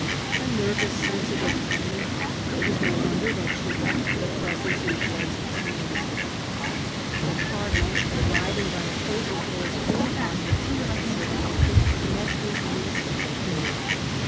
A nervous, sensitive woman, it was no wonder that she left the presence in floods of tears. The Cardinal, arriving by appointment for his own audience of reconciliation, met his niece at the door.